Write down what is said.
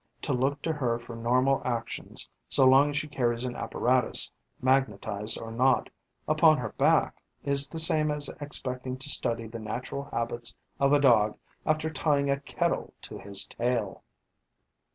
To look to her for normal actions so long as she carries an apparatus, magnetized or not, upon her back is the same as expecting to study the natural habits of a Dog after tying a kettle to his tail.